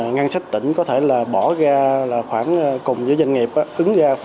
ngăn sách tỉnh có thể bỏ ra khoảng cùng với doanh nghiệp